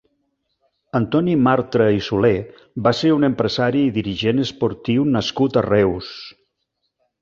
Antoni Martra i Solé va ser un empresari i dirigent esportiu nascut a Reus.